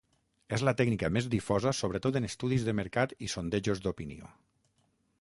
És la tècnica més difosa sobretot en estudis de mercat i sondejos d'opinió.